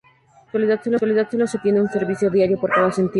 En la actualidad sólo se detiene un servicio diario por cada sentido.